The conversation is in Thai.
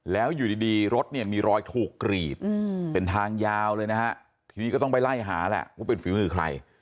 แล้วอยู่ดีรถเนี่ยมีรอยถูกกรีดเป็นทางยาวเลยนะฮะทีนี้ก็ต้องไปไล่หาแหละว่าเป็นฝีมือใคร